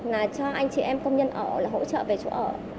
là cho anh chị em công nhân ở là hỗ trợ về chỗ ở